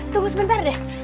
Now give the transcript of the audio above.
tunggu sebentar deh